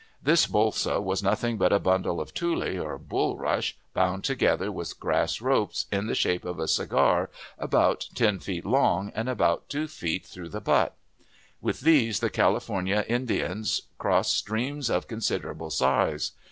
This bolsa was nothing but a bundle of tule, or bullrush, bound together with grass ropes in the shape of a cigar, about ten feet long and about two feet through the butt. With these the California Indiana cross streams of considerable size.